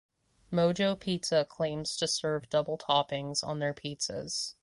Mojo Pizza claims to serve double toppings on their pizzas.